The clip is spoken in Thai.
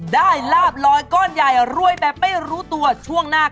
ลาบลอยก้อนใหญ่รวยแบบไม่รู้ตัวช่วงหน้า